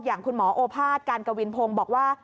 อย่างคุณหมอโอภาษการกวินพงศ์บอกว่า